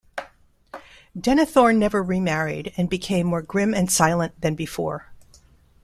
Denethor never remarried, and became more grim and silent than before.